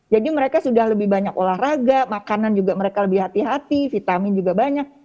jadi mereka sudah lebih banyak olahraga makanan juga mereka lebih hati hati vitamin juga banyak